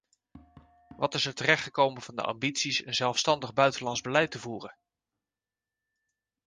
Wat is er terechtgekomen van de ambities een zelfstandig buitenlands beleid te voeren?